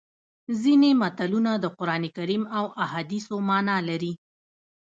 ځینې متلونه د قرانکریم او احادیثو مانا لري